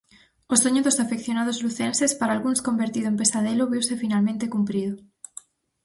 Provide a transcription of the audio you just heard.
O soño dos afeccionados lucenses, para algúns convertido en pesadelo, viuse finalmente cumprido.